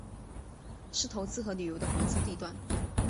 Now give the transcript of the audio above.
是投资和旅游的黄金地段。